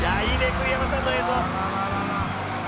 栗山さんの映像！」